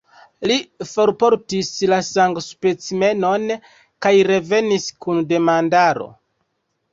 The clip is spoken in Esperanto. Li forportis la sangospecimenon, kaj revenis kun demandaro.